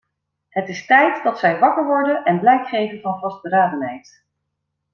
Het is tijd dat zij wakker worden en blijk geven van vastberadenheid.